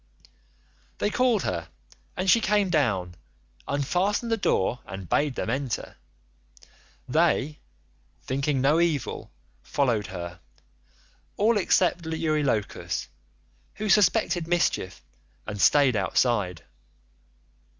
"They called her and she came down, unfastened the door, and bade them enter. They, thinking no evil, followed her, all except Eurylochus, who suspected mischief and staid outside.